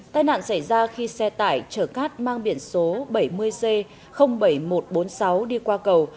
tai nạn xảy ra khi xe tải chở cát mang biển số bảy mươi c bảy nghìn một trăm bốn mươi sáu đi qua cầu